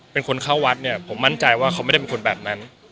เป็นคนเข้าวัดเนี่ยผมมั่นใจว่าเขาไม่ได้เป็นคนแบบนั้น